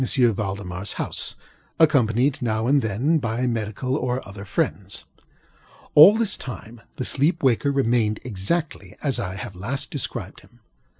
ValdemarŌĆÖs house, accompanied, now and then, by medical and other friends. All this time the sleeper waker remained exactly as I have last described him.